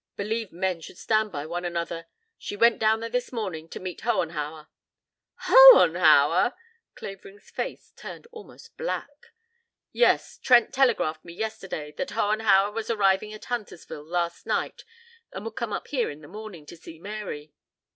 Believe men should stand by one another. She went down there this morning to meet Hohenhauer." "Hohenhauer!" Clavering's face turned almost black. "Yes. Trent telegraphed me yesterday that Hohenhauer was arriving at Huntersville last night and would come up here in the morning to see Mary.